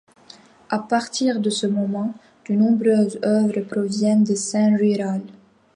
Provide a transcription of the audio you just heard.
À partir de ce moment, de nombreuses œuvres proviennent de scènes rurales.